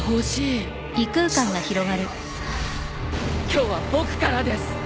今日は僕からです。